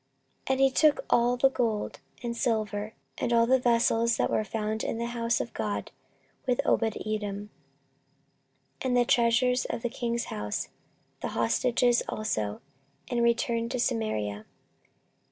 14:025:024 And he took all the gold and the silver, and all the vessels that were found in the house of God with Obededom, and the treasures of the king's house, the hostages also, and returned to Samaria.